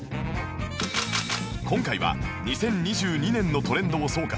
今回は２０２２年のトレンドを総括